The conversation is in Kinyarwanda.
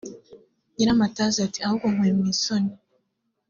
Nyiramataza ati “Ahubwo unkuye mu isoni